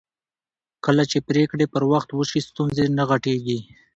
کله چې پرېکړې پر وخت وشي ستونزې نه غټېږي